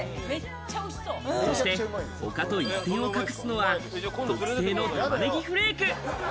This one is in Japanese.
そして他と一線を画すのは特製の玉ねぎフレーク。